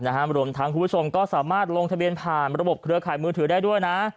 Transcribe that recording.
รวมทั้งคุณผู้ชมก็สามารถลงทะเบียนผ่านระบบเครือข่ายมือถือได้ด้วยนะ